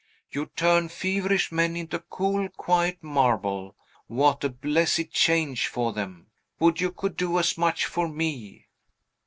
You turn feverish men into cool, quiet marble. What a blessed change for them! Would you could do as much for me!"